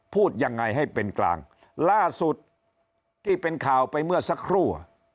พูดยังไงให้เป็นกลางล่าสุดที่เป็นข่าวไปเมื่อสักครู่